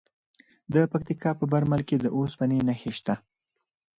د پکتیکا په برمل کې د اوسپنې نښې شته.